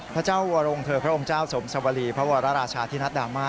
พระเจ้าวรงเธอพระองค์เจ้าสมสวรีพระวรราชาธินัดดามา